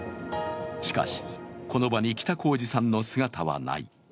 しかし、この場に北公次さんの姿はない。